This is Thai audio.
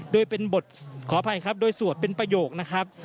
โดยเป็นบทขออภัยครับโดยสวดเป็นประโยคนะครับ